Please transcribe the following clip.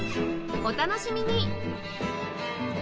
お楽しみに！